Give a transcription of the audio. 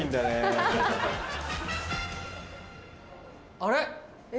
あれ？